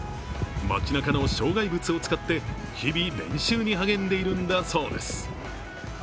街なかの障害物を使って日々、練習に励んでいるんだそうです。